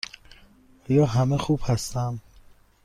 آیا همه خوب هستند؟